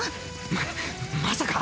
ままさか。